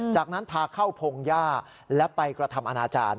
จากนั้นพาเข้าพงหญ้าและไปกระทำอนาจารย์